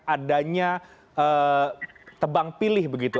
adanya tebang pilih begitu